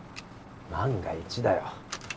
万が一だよ